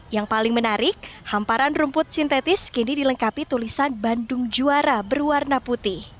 yang paling menarik hamparan rumput sintetis kini dilengkapi tulisan bandung juara berwarna putih